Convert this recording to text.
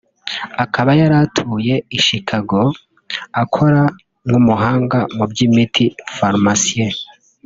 akaba yari atuye i Chicago akora nk’umuhanga mu by’imiti (pharmacien)